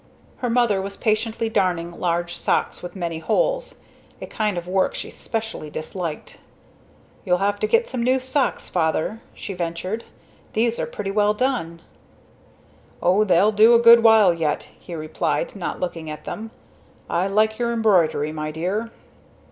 Her mother was patiently darning large socks with many holes a kind of work she specially disliked. "You'll have to get some new socks, Father," she ventured, "these are pretty well gone." "O they'll do a good while yet," he replied, not looking at them. "I like your embroidery, my dear."